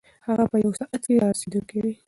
هغه په یوه ساعت کې رارسېدونکی دی.